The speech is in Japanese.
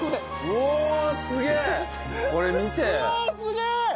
うわすげえ！